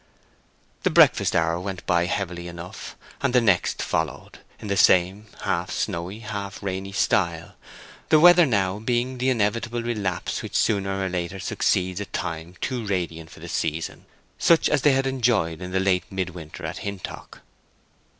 The breakfast hour went by heavily enough, and the next followed, in the same half snowy, half rainy style, the weather now being the inevitable relapse which sooner or later succeeds a time too radiant for the season, such as they had enjoyed in the late midwinter at Hintock.